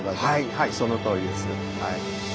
はいそのとおりです。